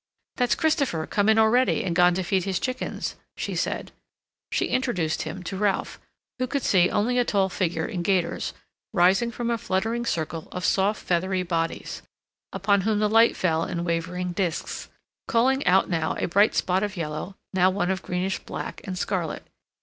"That's Christopher, come in already, and gone to feed his chickens," she said. She introduced him to Ralph, who could see only a tall figure in gaiters, rising from a fluttering circle of soft feathery bodies, upon whom the light fell in wavering discs, calling out now a bright spot of yellow, now one of greenish black and scarlet.